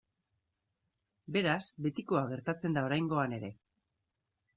Beraz, betikoa gertatzen da oraingoan ere.